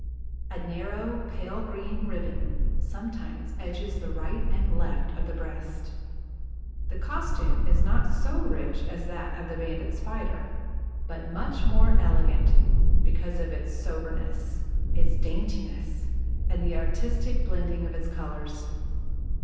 A narrow, pale green ribbon sometimes edges the right and left of the breast. The costume is not so rich as that of the Banded Spider, but much more elegant because of its soberness, its daintiness, and the artistic blending of its colors.